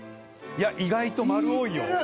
いや意外とマル多いよ。